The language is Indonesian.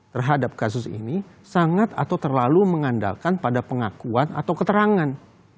terhadap kasus ini sangat atau terlalu mengandalkan pada pengakuan atau keterangan